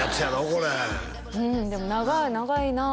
これうんでも長いなあ